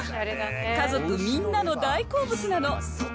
家族みんなの大好物なの。